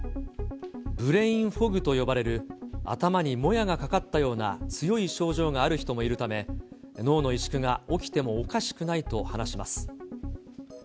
ブレインフォグと呼ばれる、頭にもやがかかったような強い症状がある人もいるため、脳の萎縮が起きてもおかしくないと話します。